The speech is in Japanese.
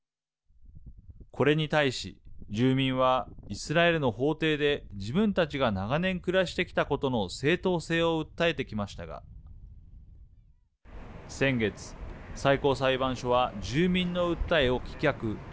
これに対し、住民はイスラエルの法廷で自分たちが長年暮らしてきたことの正当性を訴えてきましたが先月最高裁判所は住民の訴えを棄却。